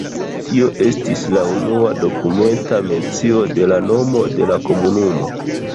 Tio estis la unua dokumenta mencio de la nomo de la komunumo.